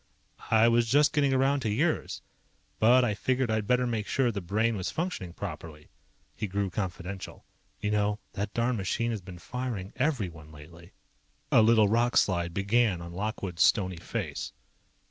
"I was just getting around to yours. But I figured I'd better make sure the Brain was functioning properly." He grew confidential. "You know, that darned machine has been firing everyone lately." A little rockslide began on Lockwood's stoney face.